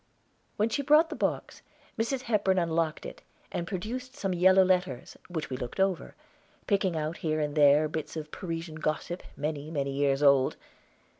When she brought the box, Mrs. Hepburn unlocked it, and produced some yellow letters, which we looked over, picking out here and there bits of Parisian gossip, many, many years old.